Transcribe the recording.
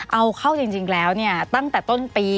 เอาเข้าจริงแล้วเนี่ยตั้งแต่ต้นปี